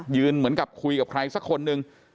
เหมือนกับคุยกับใครสักคนนึง